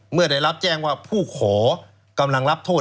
เมื่อได้รับแจ้งว่าผู้ขอกำลังรับโทษ